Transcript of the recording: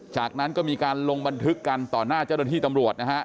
จากนั้นก็มีการลงบันทึกกันต่อหน้าเจ้าหน้าที่ตำรวจนะฮะ